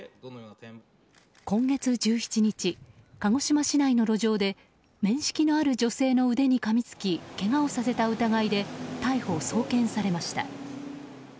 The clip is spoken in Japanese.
今月１７日、鹿児島市内の路上で面識のある女性の腕にかみつきけがをさせた疑いで逮捕・送検されました。